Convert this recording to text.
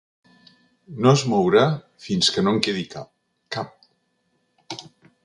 No es mourà fins que no en quedi cap. Cap.